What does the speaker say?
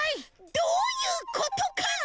どういうことか！？